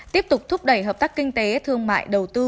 tiếp tục thúc đẩy hợp tác kinh tế thương mại đầu tư